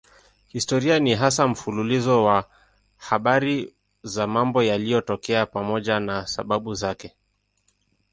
Historia ni hasa mfululizo wa habari za mambo yaliyotokea pamoja na sababu zake.